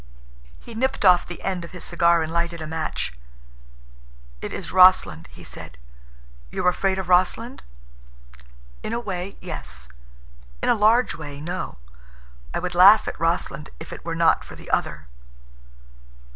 He nipped off the end of his cigar and lighted a match. "It is Rossland," he said. "You're afraid of Rossland?" "In a way, yes; in a large way, no. I would laugh at Rossland if it were not for the other."